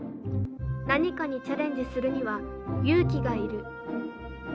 何かにチャレンジするには勇気が要る。